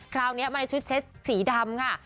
คราวนี้มาในชุดเช็ดสีดำค่ะ